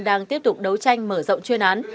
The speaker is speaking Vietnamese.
đang tiếp tục đấu tranh mở rộng chuyên án